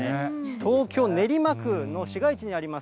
東京・練馬区の市街地にあります